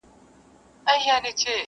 په کورونو یې کړي ګډي د غم ساندي٫